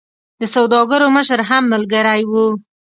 د سوداګرو مشر هم ملګری وو.